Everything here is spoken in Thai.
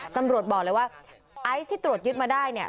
ตำรวจบอกเลยว่าไอซ์ที่ตรวจยึดมาได้เนี่ย